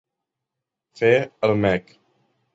Fer el mec.